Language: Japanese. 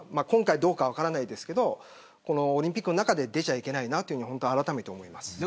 今回、どうか分からないですけどオリンピックの中で出ちゃいけないなというふうにあらためて思います。